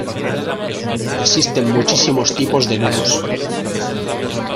Existen muchísimos tipos de nudos.